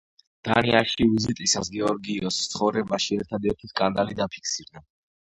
დანიაში ვიზიტისას გეორგიოსის ცხოვრებაში ერთადერთი სკანდალი დაფიქსირდა.